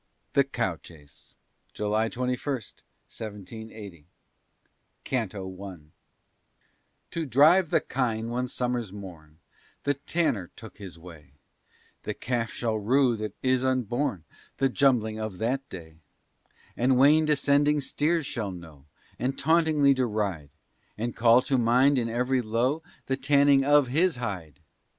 THE COW CHACE [July 21, 1780] CANTO I To drive the kine one summer's morn, The Tanner took his way; The calf shall rue that is unborn The jumbling of that day. And Wayne descending steers shall know, And tauntingly deride; And call to mind in every low, The tanning of his hide.